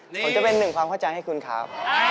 ผมจะเป็นหนึ่งความเข้าใจให้คุณครับ